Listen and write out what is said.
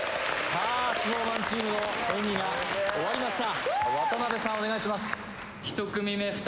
さあＳｎｏｗＭａｎチームの演技が終わりました